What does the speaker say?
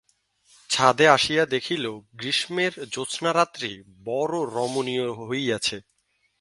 ছাদে আসিয়া দেখিল, গ্রীষেমর জ্যোৎস্নারাত্রি বড়ো রমণীয় হইয়াছে।